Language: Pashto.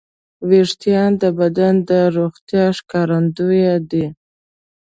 وېښتيان د بدن د روغتیا ښکارندوی دي.